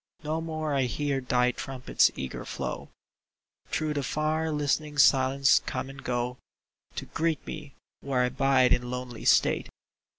No more I hear thy trumpet's eager flow Through the far, listening silence come and go To greet me where I bide in lonely state.